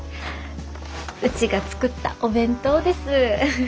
うちが作ったお弁当です。